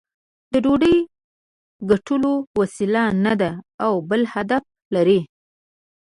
د ډوډۍ ګټلو وسیله نه ده او بل هدف لري.